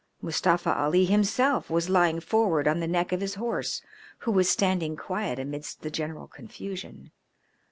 Mustafa Ali himself was lying forward on the neck of his horse, who was standing quiet amidst the general confusion.